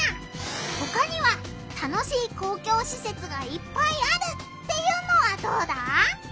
ほかには楽しい公共しせつがいっぱいあるっていうのはどうだ？